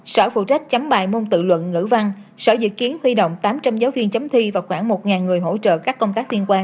sở phụ trách chấm bài môn tự luận ngữ văn sở dự kiến huy động tám trăm linh giáo viên chấm thi và khoảng một người hỗ trợ các công tác liên quan